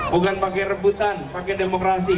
bukan pakai rebutan pakai demokrasi